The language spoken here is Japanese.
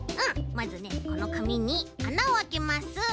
まずねこのかみにあなをあけます。